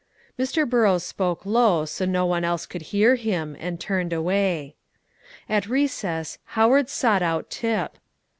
Mr. Burrows spoke low, so no one else could hear him, and turned away. At recess Howard sought out Tip.